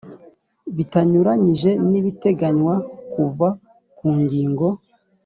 bitanyuranyije n ibiteganywa kuva ku ngingo